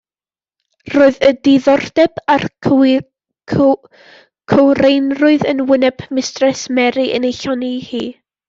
Roedd y diddordeb a'r cywreinrwydd yn wyneb Mistres Mary yn ei llonni hi.